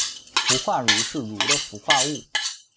氟化铷是铷的氟化物。